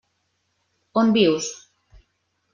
On vius?